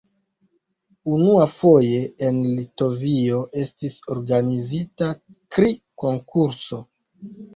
Unuafoje en Litovio estis organizita kri-konkurso.